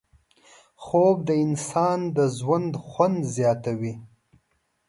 خوب د انسان د ژوند خوند زیاتوي